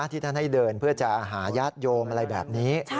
ที่ท่านให้เดินเพื่อจะหายาดโยมหรือไม่แบบนี้